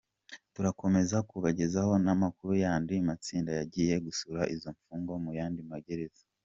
Turakomeza kubagezaho n’amakuru y’andi matsinda yagiye gusura izo mfungwa mu yandi magereza.